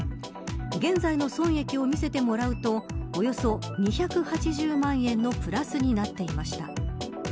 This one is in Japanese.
現在の損益を見せてもらうとおよそ２８０万円のプラスになっていました。